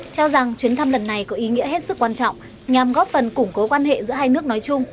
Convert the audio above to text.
cho rằng chuyến thăm lần này có ý nghĩa hết sức quan trọng nhằm góp phần củng cố quan hệ giữa hai nước nói chung